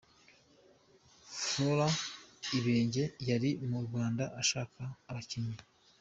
Frolent Ibenge yari mu Rwanda ashaka abakinnyi.